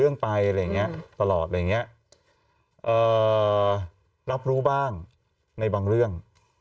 คือพูดจริงผมก็เข้าไปตามเขา